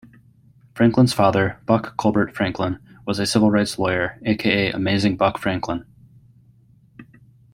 Franklin's father Buck Colbert Franklin was a civil rights lawyer, aka Amazing Buck Franklin.